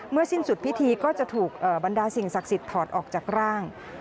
สิ้นสุดพิธีก็จะถูกบรรดาสิ่งศักดิ์สิทธิ์ถอดออกจากร่าง